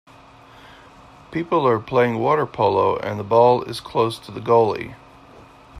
People are playing water polo and the ball is close to the goalie.